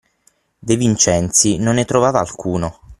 De Vincenzi non ne trovava alcuno.